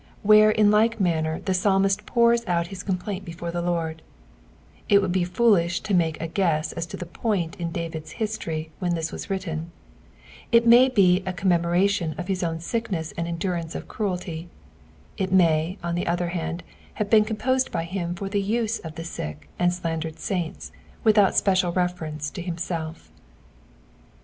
where in likt manner tht paaimisi poors out his tont plaint b^ort Iht Lord, li would be foolish lo make a guess aslo (he point in David^n hiMory vihea lias was written ,' ii may be a commcnuiraliun (^ hia ovjn tidcnee^ and endurance ^ crusty ; it may, on the other hand, have been composed by Aim for the use of tick and slaii^nd saints, tptthoui special reference to himself.